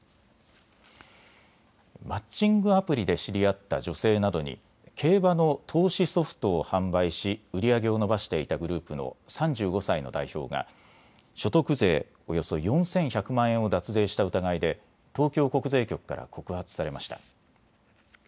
マッチングアプリで知り合った女性などに競馬の投資ソフトを販売し売り上げを伸ばしていたグループの３５歳の代表が所得税およそ４１００万円を脱税した疑いで東京国税局から告発されました。